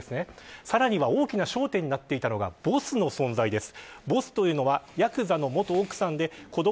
さらに大きな焦点になっていたのがボスの存在です。